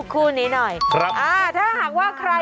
คุณติเล่าเรื่องนี้ให้ฮะ